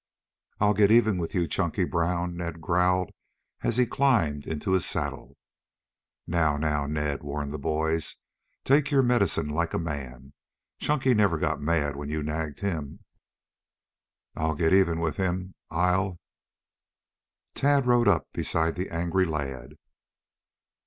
"I'll get even with you, Chunky Brown," Ned growled, as he climbed into his saddle. "Now, now, Ned!" warned the boys. "Take your medicine like a man. Chunky never got mad when you nagged him." "I'll get even with him. I'll " Tad rode up beside the angry lad.